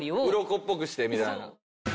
うろこっぽくしてみたいな。